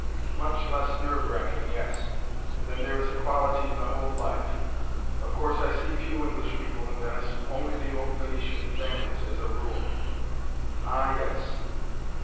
"Much less nerve racking, yes. And then there is a quality in the whole life. Of course I see few English people in Venice only the old Venetian families, as a rule." "Ah, yes.